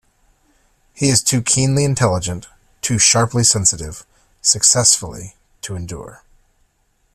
He is too keenly intelligent, too sharply sensitive, successfully to endure.